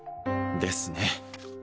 ですね